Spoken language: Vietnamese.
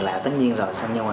là tất nhiên rồi